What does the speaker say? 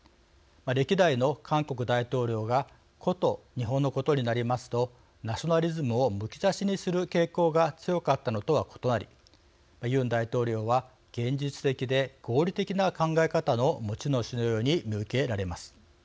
歴代の韓国大統領がこと日本のことになりますとナショナリズムをむき出しにする傾向が強かったのとは異なりユン大統領は現実的で合理的な考え方の持ち主のように見受けられます。